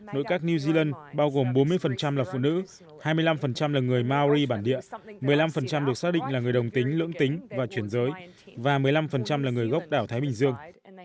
nội các new zealand bao gồm bốn mươi là phụ nữ hai mươi năm là người maori bản địa một mươi năm được xác định là người đồng tính lưỡng tính và chuyển giới và một mươi năm là người gốc đảo thái bình dương